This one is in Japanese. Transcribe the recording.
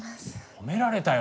褒められたよ！